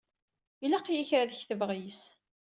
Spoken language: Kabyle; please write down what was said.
Ilaq-iyi kra ad ketbeɣ yess.